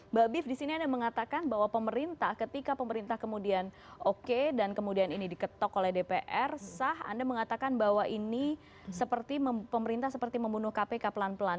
mbak bif disini anda mengatakan bahwa pemerintah ketika pemerintah kemudian oke dan kemudian ini diketok oleh dpr sah anda mengatakan bahwa ini seperti pemerintah seperti membunuh kpk pelan pelan